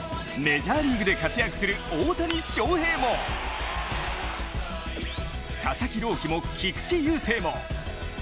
メジャーリーグで活躍する大谷翔平も佐々木朗希も菊池雄星も！